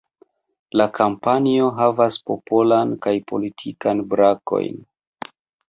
La kampanjo havas Popolan kaj Politikan brakojn.